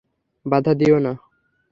বাঁধা দিও না।